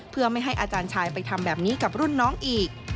เพื่อไม่ให้อาจารย์ชายไปทำแบบนี้กับรุ่นน้องอีก